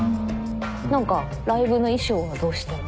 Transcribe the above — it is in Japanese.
何かライブの衣装はどうしてるの？